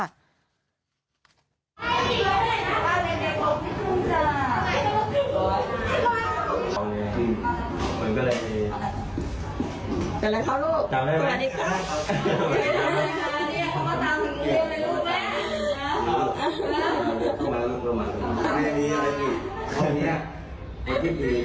อะไรครับลูก